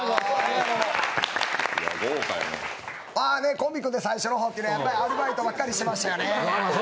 コンビ組んで最初の方ってアルバイトばっかりしてましたよね。